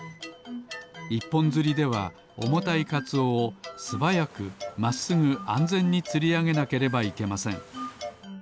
１ぽんづりではおもたいかつおをすばやくまっすぐあんぜんにつりあげなければいけません。